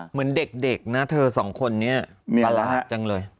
เหมือนเด็กนะเธอสองคนนี้มีภาระจังเลย